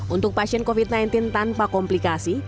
untuk pasien covid sembilan belas tanpa komplikasi